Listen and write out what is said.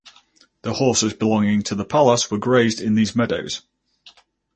The horses belonging to the palace were grazed in these meadows.